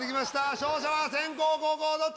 勝者は先攻後攻どっち？